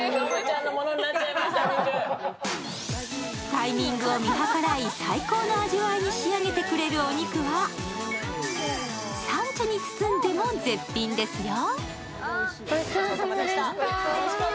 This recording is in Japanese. タイミングを見計らい最高の味わいに仕上げてくれるお肉はサンチュに包んでも絶品ですよ。